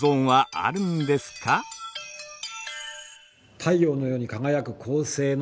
太陽のように輝く恒星の周り